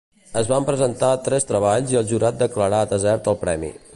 Es van presentar tres treballs i el jurat declarà desert el premi.